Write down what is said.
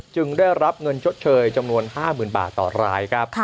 ได้รับเงินชดเชยจำนวน๕๐๐๐บาทต่อรายครับ